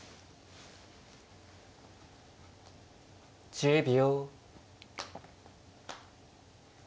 １０秒。